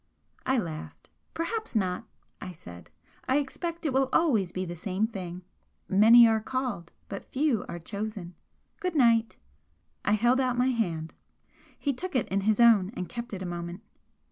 I laughed. "Perhaps not!" I said "I expect it will always be the same thing 'Many are called, but few are chosen.' Goodnight!" I held out my hand. He took it in his own and kept it a moment.